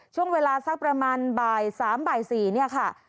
ช่วงเวลาสักประมาณบ่าย๓๔นี่ค่ะ